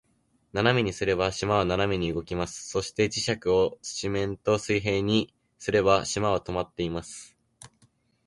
斜めにすれば、島は斜めに動きます。そして、磁石を土面と水平にすれば、島は停まっています。